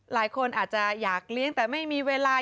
หลายคนอาจจะอยากเลี้ยงแต่ไม่มีเวลา